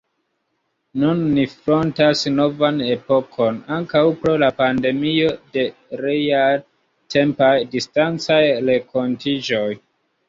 Nun ni frontas novan epokon, ankaŭ pro la pandemio, de realtempaj, distancaj renkontiĝoj.